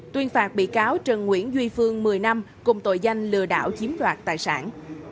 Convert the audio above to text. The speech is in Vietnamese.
tuyên phạt bị cáo trần nguyễn duy phương một mươi năm cùng tội danh lừa đảo chiếm đoạt tài sản